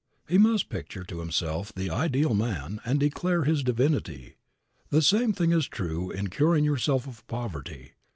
He must picture to himself the ideal man, and declare his divinity. The same thing is true in curing yourself of poverty.